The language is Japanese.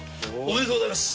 おめでとうございます。